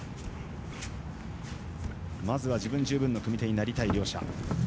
まずは自分十分の組み手になりたい両者。